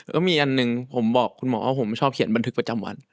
ก็มีอันหนึ่งผมบอกคุณหมอว่าผมชอบเขียนบันทึกประจำวัน